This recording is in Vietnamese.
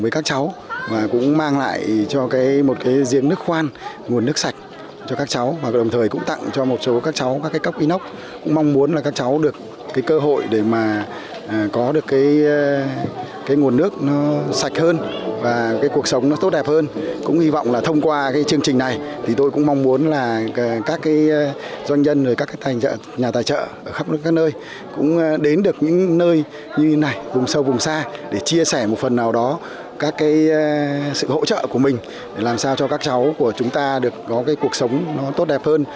các em khó khăn nơi cũng đến được những nơi như này vùng sâu vùng xa để chia sẻ một phần nào đó các sự hỗ trợ của mình để làm sao cho các cháu của chúng ta được có cuộc sống tốt đẹp hơn